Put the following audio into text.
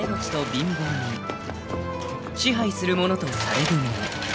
［支配する者とされる者］